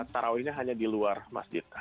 tarawihnya hanya di luar masjid